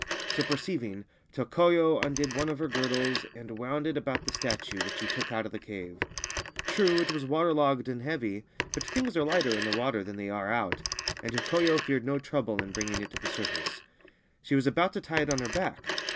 So perceiving Tokoyo undid one of her girdles and wound it about th< statue, which she took out of the cave. True, it wai waterlogged and heavy ; but things are lighter in th( water than they are out, and Tokoyo feared no trouble ir bringing it to the surface — she was about to tie it on hei back.